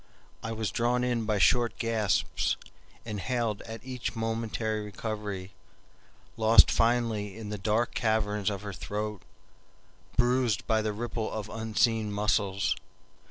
I was drawn in by short gasps, inhaled at each momentary recovery, lost finally in the dark caverns of her throat, bruised by the ripple of unseen muscles.